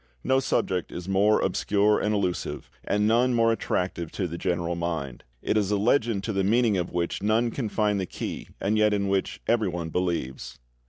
No subject is more obscure and elusive, and none more attractive to the general mind. It is a legend to the meaning of which none can find the key and yet in which everyone believes.